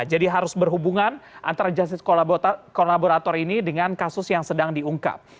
jadi harus berhubungan antara justice collaborator ini dengan kasus yang sedang diungkap